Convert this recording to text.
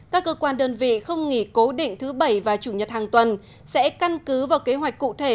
các cơ quan đơn vị không nghỉ cố định thứ bảy và chủ nhật hàng tuần sẽ căn cứ vào kế hoạch cụ thể